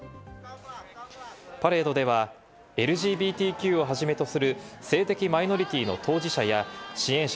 パレードでは、ＬＧＢＴＱをはじめとする性的マイノリティーの当事者や支援者